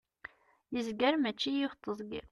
yezger mačči yiwet teẓgi